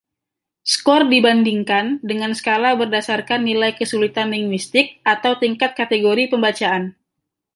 Skor dibandingkan dengan skala berdasarkan nilai kesulitan linguistik atau tingkat kategori pembacaan.